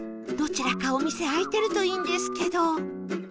どちらかお店開いてるといいんですけど